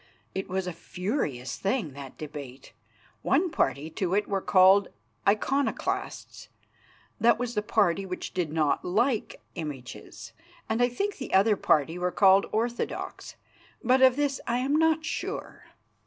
It was a furious thing, that debate. One party to it were called Iconoclasts, that was the party which did not like images, and I think the other party were called Orthodox, but of this I am not sure.